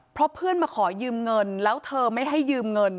เพราะเพื่อนมาขอยืมเงินแล้วเธอไม่ให้ยืมเงิน